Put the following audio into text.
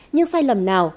nhưng sai lầm nào